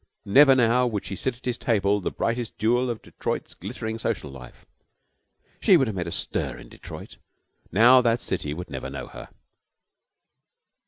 Never now would she sit at his table, the brightest jewel of Detroit's glittering social life. She would have made a stir in Detroit. Now that city would never know her.